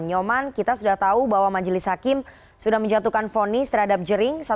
nyoman kita sudah tahu bahwa majelis hakim sudah menjatuhkan fonis terhadap jering